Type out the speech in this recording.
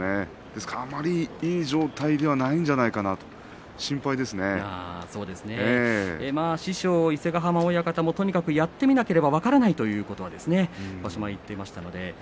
ですから、あまりいい状態ではなかったのではないか師匠の伊勢ヶ濱親方もとにかくやってみなくては分からないということを場所前に言っていました。